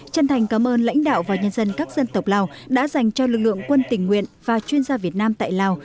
chân thành cảm ơn lãnh đạo và nhân dân các dân tộc lào đã dành cho lực lượng quân tình nguyện và chuyên gia việt nam tại lào